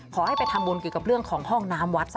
ขอให้ไปทำบุญเกี่ยวกับเรื่องของห้องน้ำวัดซะ